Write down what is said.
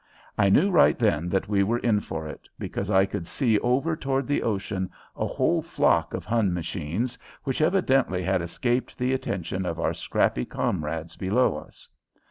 I knew right then that we were in for it, because I could see over toward the ocean a whole flock of Hun machines which evidently had escaped the attention of our scrappy comrades below us.